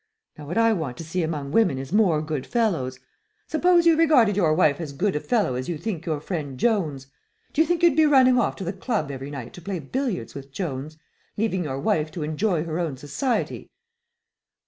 Now what I want to see among women is more good fellows. Suppose you regarded your wife as good a fellow as you think your friend Jones. Do you think you'd be running off to the club every night to play billiards with Jones, leaving your wife to enjoy her own society?"